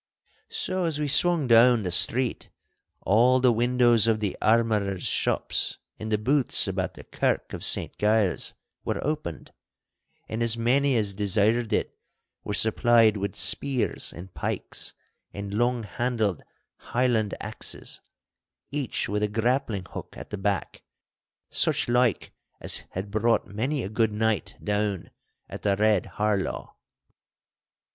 So as we swung down the street all the windows of the armourers' shops in the booths about the Kirk of Saint Giles' were opened, and as many as desired it were supplied with spears and pikes and long handled Highland axes, each with a grappling hook at the back, such like as had brought many a good knight down at the Red Harlaw.